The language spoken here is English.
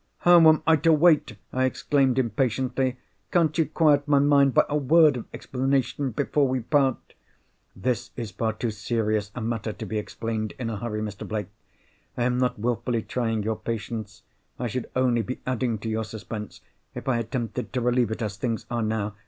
"How am I to wait!" I exclaimed, impatiently. "Can't you quiet my mind by a word of explanation before we part?" "This is far too serious a matter to be explained in a hurry, Mr. Blake. I am not wilfully trying your patience—I should only be adding to your suspense, if I attempted to relieve it as things are now.